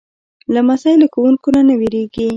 لمسی له ښوونکو نه نه وېرېږي.